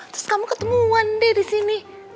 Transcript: terus kamu ketemuan deh di sini